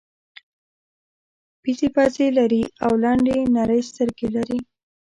پېتې پزې لري او لنډې نرۍ سترګې لري.